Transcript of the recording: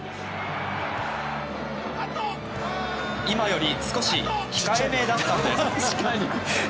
今より少し控えめだったんです。